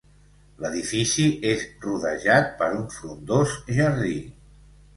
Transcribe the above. L'edifici és rodejat per un frondós jardí.